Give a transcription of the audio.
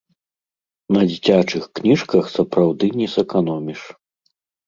На дзіцячых кніжках, сапраўды, не сэканоміш.